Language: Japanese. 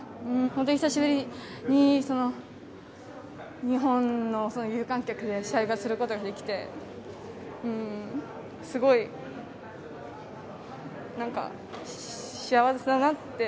本当に久しぶりに日本の有観客で試合をすることができてすごい幸せだなって